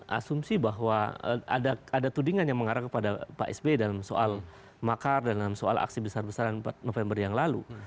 saya pikir bahwa ada tudingan yang mengarah kepada pak s b dalam soal makar dalam soal aksi besar besaran november yang lalu